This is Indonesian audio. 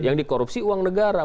yang dikorupsi uang negara